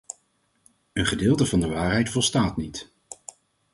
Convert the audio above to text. Een gedeelte van de waarheid volstaat niet.